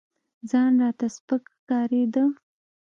ځان راته سپك ښكارېده.